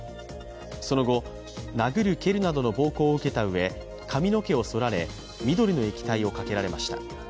その後、殴る蹴るなどの暴行を受けたうえ髪の毛をそられ、緑の液体をかけられました。